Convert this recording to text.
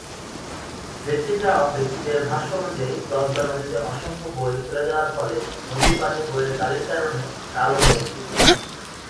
বেঁচে যাওয়া ব্যক্তিদের ভাষ্য অনুযায়ী দজলা নদীতে অসংখ্য বই ফেলে দেয়ার ফলে নদীর পানি বইয়ের কালির কারণে কালো হয়ে গিয়েছিল।